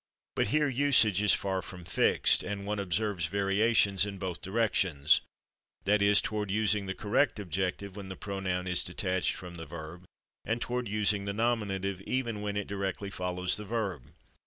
But here usage is far from fixed, and one observes variations in both directions that is, toward using the correct objective when the pronoun is detached from the verb, and toward using the nominative even when it directly follows the verb.